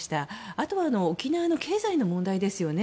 あとは沖縄の経済の問題ですね。